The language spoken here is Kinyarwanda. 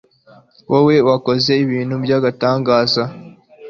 wowe wakoze ibintu by'agatangaza